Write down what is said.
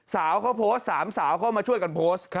สาวเขาโพสต์๓สาวเข้ามาช่วยกันโพสต์